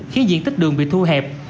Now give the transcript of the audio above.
khiến diện tích đường bị thu hẹp